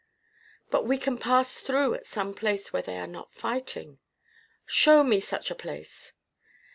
"But we can pass through at some place where they are not fighting." "Show me such a place!"